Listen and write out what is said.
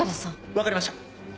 分かりました。